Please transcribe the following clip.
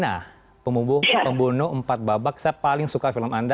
nah pembunuh empat babak saya paling suka film anda